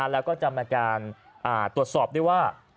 แล้วก็จะมีการตรวจสอบด้วยว่า